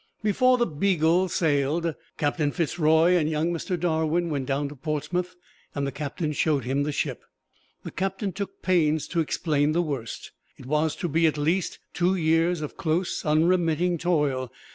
Before the "Beagle" sailed, Captain Fitz Roy and young Mr. Darwin went down to Portsmouth, and the Captain showed him the ship. The Captain took pains to explain the worst. It was to be at least two years of close, unremitting toil.